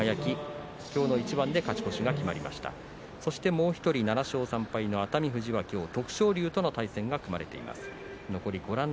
もう１人の７勝３敗の熱海富士は今日、徳勝龍との対戦が組まれています。